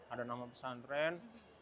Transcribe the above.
ada nama pesantren